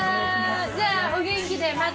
じゃあお元気でまた！